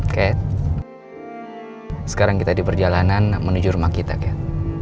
cat sekarang kita di perjalanan menuju rumah kita kat